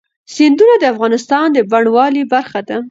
سیندونه د افغانستان د بڼوالۍ برخه ده.